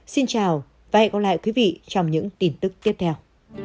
xin chào và hẹn gặp lại quý vị trong những tin tức tiếp theo